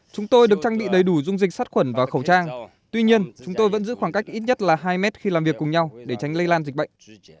chúng tôi được trang bị đầy đủ dung dịch sát khuẩn và khẩu trang tuy nhiên chúng tôi vẫn giữ khoảng cách ít nhất là hai mét khi làm việc cùng nhau để tránh lây lan dịch bệnh